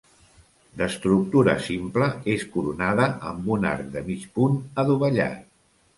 D'estructura simple, és coronada amb un arc de mig punt adovellat.